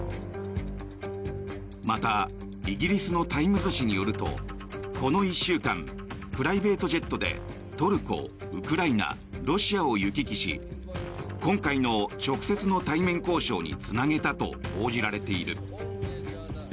またイギリスのタイムズ紙によるとこの１週間プライベートジェットでトルコ、ウクライナ、ロシアを行き来し今回の直接の対面交渉につなげたと報じられている。